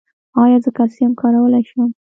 ایا زه کلسیم کارولی شم؟